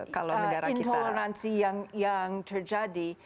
menghindari ya intoleransi yang terjadi